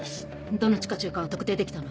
どの地下駐かは特定できたの？